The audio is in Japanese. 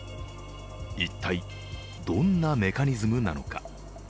一体、どんなメカニズムなのか。